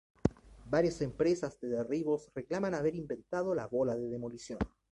Varias empresas de derribos reclaman haber inventado la bola de demolición.